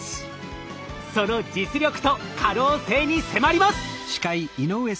その実力と可能性に迫ります！